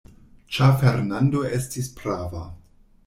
Ĉar Fernando estis prava.